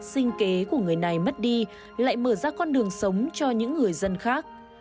sinh kế của người này mất đi lại mở ra con đường sống cho những người dân khác